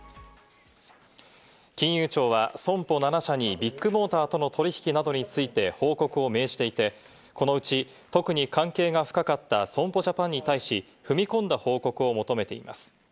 金融庁は損保７社にビッグモーターとの取引などについて報告を命じていて、このうち特に関係が深かった損保ジャパンに対し、踏み込んだ報告を求めています。